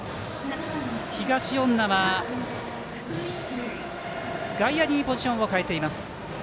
東恩納は外野にポジションを変えています。